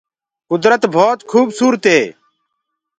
ڪُدرت ڀوت کوُبسوُرت هي۔